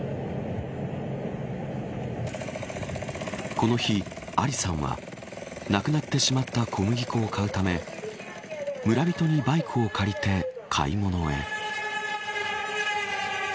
この日、アリさんはなくなってしまった小麦粉を買うため村人にバイクを借りて買い物へ。